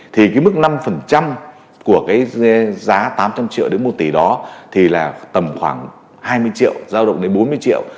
thì cái mức năm của cái giá tám trăm linh triệu đến một tỷ đó thì là tầm khoảng hai mươi triệu giao động đến bốn mươi triệu